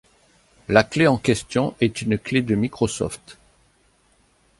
La clé en question est une clé de Microsoft.